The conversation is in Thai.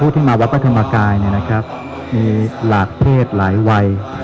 หูขี้มาบัดบะทำหกายเนี่ยนะครับมีหลากเทศหลายวัย